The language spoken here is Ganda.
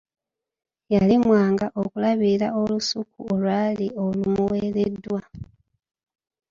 Yalemwanga okulabirira olusuku olwali olumuweereddwa.